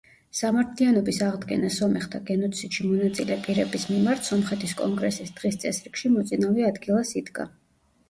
სამართლიანობის აღდგენა სომეხთა გენოციდში მონაწილე პირების მიმართ სომხეთის კონგრესის დღის წესრიგში მოწინავე ადგილას იდგა.